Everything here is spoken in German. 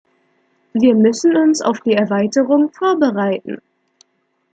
Wir müssen uns auf die Erweiterung vorbereiten.